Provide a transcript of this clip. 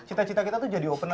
cita cita kita tuh jadi open